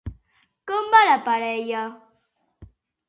Com va la parella?